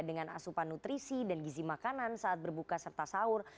dengan asupan nutrisi dan gizi makanan saat berbuka serta sahur